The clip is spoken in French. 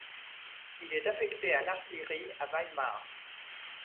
Il est affecté à l'artillerie à Weimar.